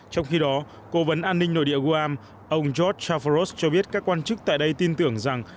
trong khi đó cố vấn an ninh nội địa guam ông george chaffros cho biết các quan chức tại đây tin tưởng rằng